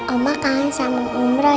oma kangen sama omro ya